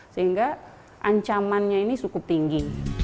sehingga ancamannya ini cukup tinggi